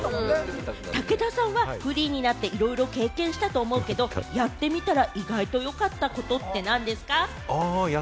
武田さんはフリーになって、いろいろ経験したと思うけれども、やってみたら意外と良かったことって何ですか？